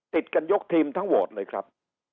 ติดกันยกทีมทั้งวอร์ดเลยครับ